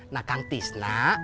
nah kang tisna